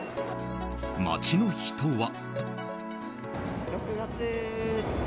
街の人は。